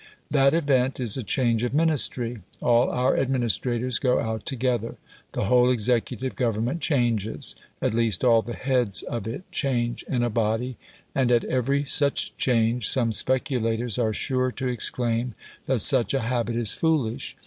That event is a change of Ministry. All our administrators go out together. The whole executive Government changes at least, all the heads of it change in a body, and at every such change some speculators are sure to exclaim that such a habit is foolish.